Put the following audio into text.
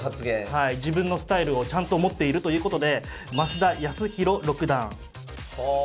はい自分のスタイルをちゃんと持っているということで増田康宏六段。はあ。